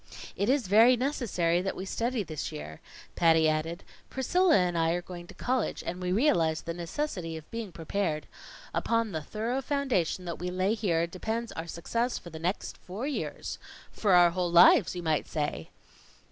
"It is very necessary that we study this year," Patty added. "Priscilla and I are going to college, and we realize the necessity of being prepared. Upon the thorough foundation that we lay here, depends our success for the next four years for our whole lives you might say."